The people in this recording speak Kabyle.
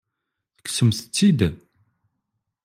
Tekksemt-tt-id?